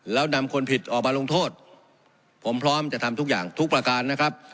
แล้วนำคนผิดออกมาลงโทษผมพร้อมจะทำทุกอย่างทุกประการนะครับ